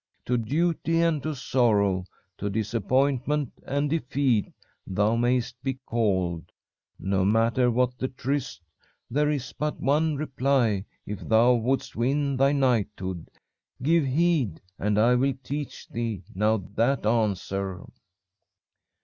To duty and to sorrow, to disappointment and defeat, thou may'st be called. No matter what the tryst, there is but one reply if thou wouldst win thy knighthood. Give heed and I will teach thee now that answer.'